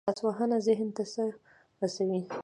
لاسونه ذهن ته څه رسوي